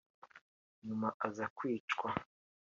nyuma aza kwicwa